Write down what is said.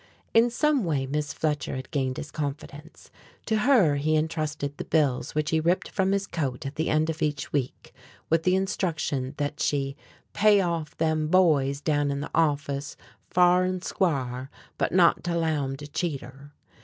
In some way Miss Fletcher had gained his confidence. To her he intrusted the bills which he ripped from his coat at the end of each week with the instruction that she "pay off them boys down in the office fa'r an' squar', but not to 'low 'em to cheat her."